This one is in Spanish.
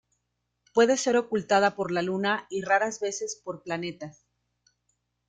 Puede ser ocultada por la Luna y raras veces por planetas.